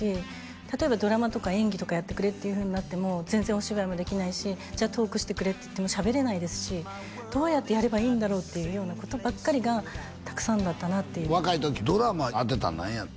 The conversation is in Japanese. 例えばドラマとか演技とかやってくれというふうになっても全然お芝居もできないしじゃあトークしてくれっていってもしゃべれないですしどうやってやればいいんだろう？というようなことばっかりがたくさんだったなっていう若い時ドラマ当てたの何やった？